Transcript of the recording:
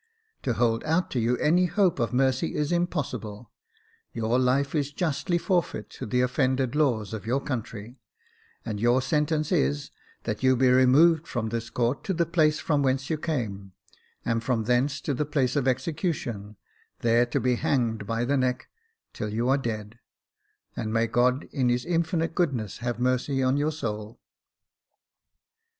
To hold out to you any hope of mercy is impossible. Your life is justly forfeited to the offended laws of your country ; and your sentence is that you be removed from this court to the place from whence you came, and from thence to the place of execution, there to be hanged by the neck till you are dead ; and may God, in his infinite goodness, have mercy on your soul